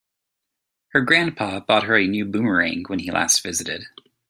Her grandpa bought her a new boomerang when he last visited.